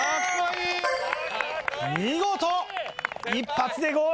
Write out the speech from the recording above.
見事一発でゴール！